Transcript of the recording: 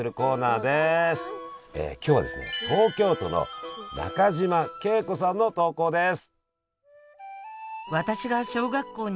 今日はですね東京都の中島桂子さんの投稿です。